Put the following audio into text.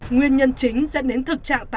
nguyên nhân chính dẫn đến thực trạng tài sản